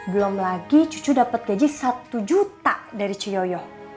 belom lagi cucu dapet gaji satu juta dari ciyoyo